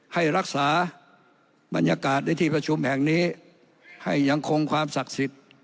ให้รักษาบรรยากาศในที่ประชุมแห่งนี้ให้ยังคงความศักดิ์สิทธิ์